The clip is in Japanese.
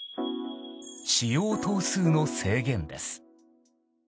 飼養頭数の制限です。